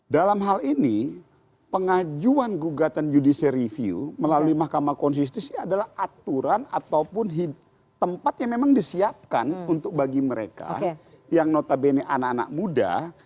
dalam hal ini pengajuan gugatan judicial review melalui mahkamah konstitusi adalah aturan ataupun tempat yang memang disiapkan untuk bagi mereka yang notabene anak anak muda